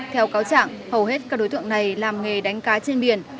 theo cáo trạng hầu hết các đối tượng này làm nghề đánh cá trên biển